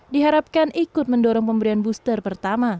diharapkan ikut mendorong pemberian booster pertama